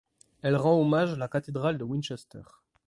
Elle rend hommage à la cathédrale de Winchester.